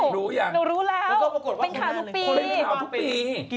หนูรู้แล้วจริงว่าทุกปี